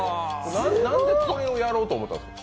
なんでこれをやろうと思ったんですか？